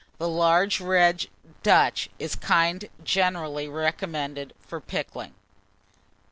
The large red Dutch is the kind generally recommended for pickling.